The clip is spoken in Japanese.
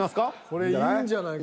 これいいんじゃないかな。